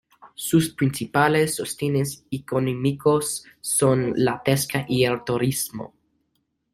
Sus principales sostenes económicos son la pesca y el turismo.